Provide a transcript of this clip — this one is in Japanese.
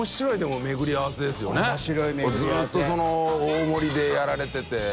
困辰大盛りでやられてて。